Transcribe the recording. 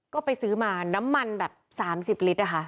ก็ไปซื้อมาน้ำมันแบบ๓๐ลิตรนะคะ